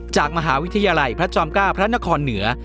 จากมหาวิทยาลัยพระจอม๙พระนครเหนือ